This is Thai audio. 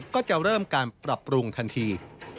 ก็จะเริ่มการปรับปรุงทันที